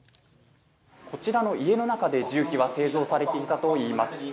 こちらの家の中で銃器は製造されていたといいます。